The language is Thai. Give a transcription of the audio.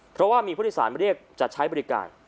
เพราะว่ามีผู้โดยสารมาเรียกจะใช้บริการ